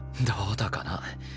どうだかな。